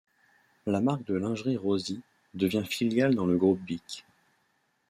La marque de lingerie Rosy devient filiale dans le groupe Bic.